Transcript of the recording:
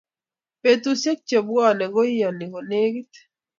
Petushek che buani Ko inyoni ko negit